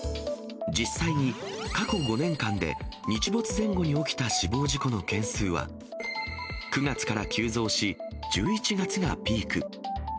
実際に、過去５年間で日没前後に起きた死亡事故の件数は、９月から急増し、１１月がピーク。